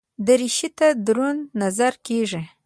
دریشي ته دروند نظر کېږي.